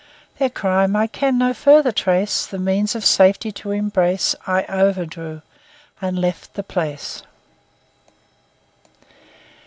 Their crime I can no further trace The means of safety to embrace, I overdrew and left the place.